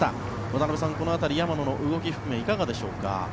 渡辺さん、この辺り山野の動きを含めいかがでしょうか？